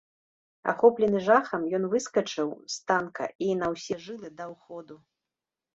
Ахоплены жахам, ён выскачыў з танка і на ўсе жылы даў ходу.